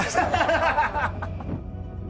「ハハハハ！」